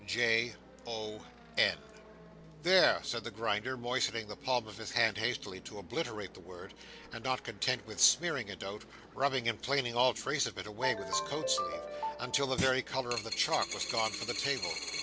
J.O.N. "There!" said the Grinder, moistening the palm of his hand hastily, to obliterate the word; and not content with smearing it out, rubbing and planing all trace of it away with his coat sleeve, until the very colour of the chalk was gone from the table.